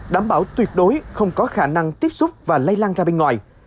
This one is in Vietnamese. đảm bảo tuyệt đối không có khả năng tiếp xúc và lây lan ra bên ngoài